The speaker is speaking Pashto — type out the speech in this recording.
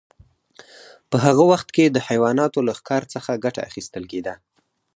په هغه وخت کې د حیواناتو له ښکار څخه ګټه اخیستل کیده.